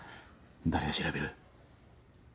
誰が調べる？